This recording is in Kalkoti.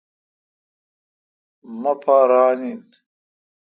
مہ پا ران این۔